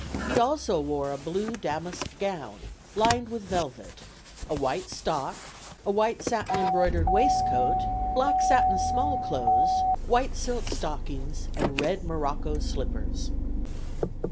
He also wore a blue damask gown lined with velvet, a white stock, a white satin embroidered waistcoat, black satin small clothes, white silk stockings and red morocco slippers."